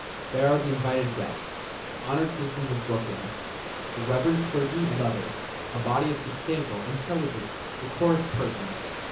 They are the invited guests, the honored citizens of Brooklyn, the reverend clergy, and others; a body of substantial, intelligent, decorous persons.